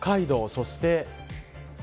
そして。